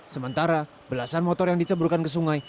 sementara belasan motor yang diceburkan ke sungai